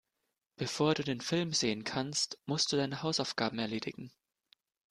Bevor du den Film sehen kannst, musst du deine Hausaufgaben erledigen.